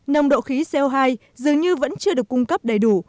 nồng độ khí co hai dường như vẫn chưa được cung cấp đầy đủ